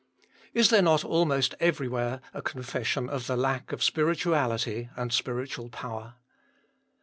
Is there not almost everywhere a confession of the lack of spirituality and spiritual power